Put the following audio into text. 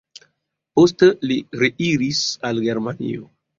Poste li reiris al Germanio.